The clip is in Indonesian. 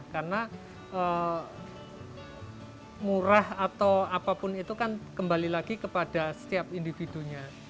karena murah atau apapun itu kan kembali lagi kepada setiap individunya